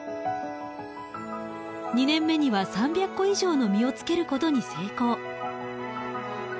２年目には３００個以上の実をつけることに成功。